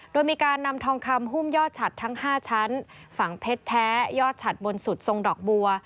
โดยมีการนำทองคำหุ้มยอดฉัดทั้ง๕ชั้นฝั่งเพชรแท้ยอดฉัดบนสุดทรงดอกบัว